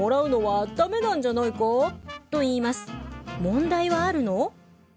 問題はあるの？